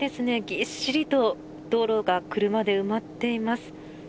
ぎっしりと道路が車で埋まっています。